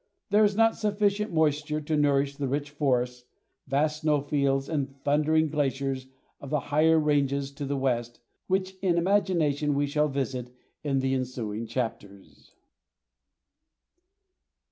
There is not sufficient moisture to nourish the rich forests, vast snow fields, and thundering glaciers of the higher ranges to the west, which in imagination we shall visit in the ensuing chapters.